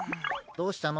どうしたの？